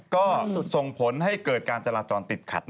ก็ส่งผลให้เกิดการจราจรติดขัด